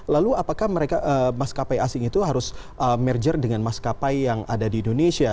lalu apakah mereka maskapai asing itu harus merger dengan maskapai yang ada di indonesia